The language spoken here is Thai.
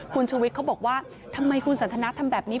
คุณชุวิตเขาบอกว่าทำไมคุณสันทนาทำแบบนี้